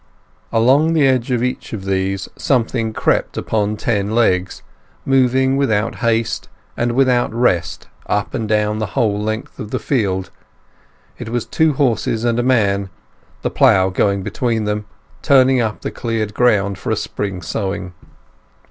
Along the edge of each of these something crept upon ten legs, moving without haste and without rest up and down the whole length of the field; it was two horses and a man, the plough going between them, turning up the cleared ground for a spring sowing.